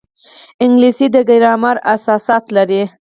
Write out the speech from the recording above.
انګلیسي د ګرامر اساسات لري